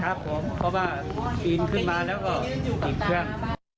ครับผมเพราะว่าปีนขึ้นมาแล้วก็ปิดเครื่อง